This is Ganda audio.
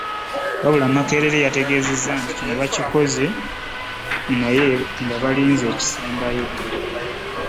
Wabula Makerere yategeezezza nti kino bakikoze naye nga balinze ekisembayo